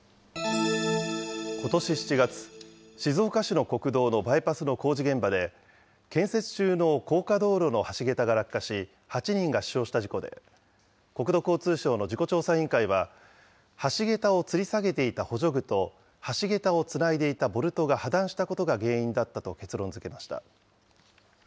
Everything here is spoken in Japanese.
ことし７月、静岡市の国道のバイパスの工事現場で、建設中の高架道路の橋桁が落下し、８人が死傷した事故で、国土交通省の事故調査委員会は、橋桁をつり下げていた補助具と橋桁をつないでいたボルトが破断したことが原因だったと結論づけました。